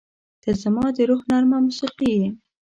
• ته زما د روح نرمه موسیقي یې.